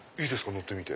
乗ってみて。